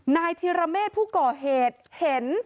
นายธิรเมฆผู้ก่อเหตุเห็น